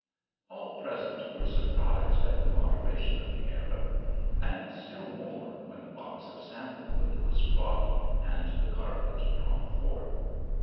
All present were surprised at the moderation of the Arab ; and still more, when the box of sandal wood was brought and the carpet drawn forth.